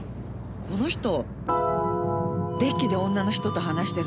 この人デッキで女の人と話してるの見かけた。